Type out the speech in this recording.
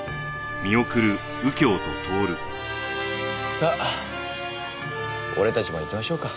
さあ俺たちも行きましょうか。